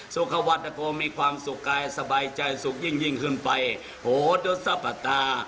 สุขวัฒนภงมีความสุขกายสบายใจสุขยิ่งขึ้นไปโหดซับปะตา